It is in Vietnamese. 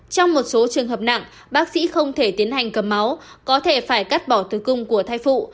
trong một số trường hợp nặng bác sĩ không thể tiến hành cầm máu có thể phải cắt bỏ thứ cung của thai phụ